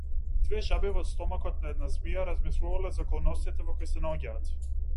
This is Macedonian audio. Две жаби во стомакот на една змија размислувале за околностите во кои се наоѓаат.